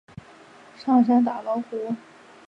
该区早期支持北爱尔兰统一党。